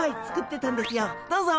どうぞ。